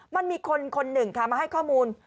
มันมีคนคนหนึ่งค่ะมาให้ข้อมูล